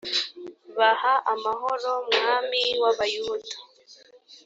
baha amahoro mwami w’ abayuda